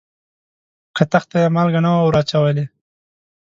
کتغ ته یې مالګه نه وه وراچولې.